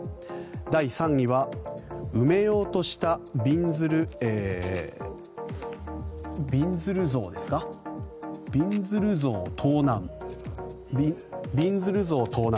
第３位は、埋めようとしたびんずる像盗難。